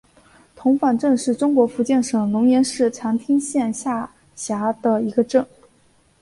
童坊镇是中国福建省龙岩市长汀县下辖的一个镇。